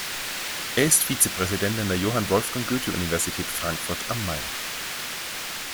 Er ist Vizepräsident an der Johann Wolfgang Goethe-Universität Frankfurt am Main.